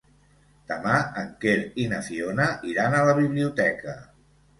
Demà en Quer i na Fiona iran a la biblioteca.